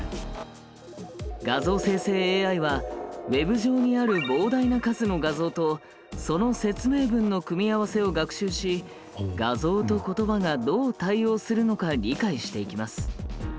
画像生成ＡＩはＷｅｂ上にある膨大な数の画像とその説明文の組み合わせを学習し画像と言葉がどう対応するのか理解していきます。